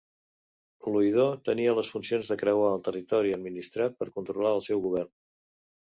L'Oïdor tenia les funcions de creuar el territori administrat per controlar el seu govern.